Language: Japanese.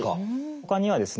ほかにはですね